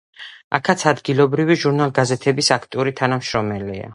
აქაც ადგილობრივი ჟურნალ-გაზეთების აქტიური თანამშრომელია.